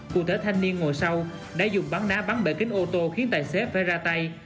cụ thể thanh niên ngồi sau đã dùng bắn đá bắn bề kính ô tô khiến tài xế phải ra tay